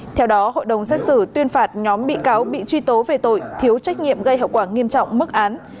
theo đó hội đồng xét xử tuyên phạt nhóm bị cáo bị truy tố về tội thiếu trách nhiệm gây hậu quả nghiêm trọng mức án